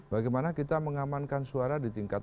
bagaimana kita mengamankan suara di tingkat